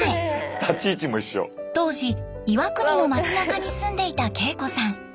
当時岩国の街なかに住んでいた敬子さん。